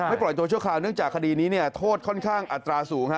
ปล่อยตัวชั่วคราวเนื่องจากคดีนี้โทษค่อนข้างอัตราสูงฮะ